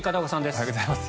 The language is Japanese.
おはようございます。